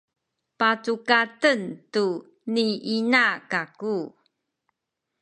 pacukaten tu ni ina kaku